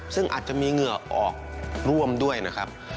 ซึ่งอาจจะมีเหงื่อออกร่วมด้วยนะครับ